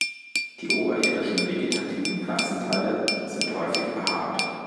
Die oberirdischen vegetativen Pflanzenteile sind häufig behaart.